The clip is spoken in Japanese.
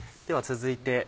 では続いて。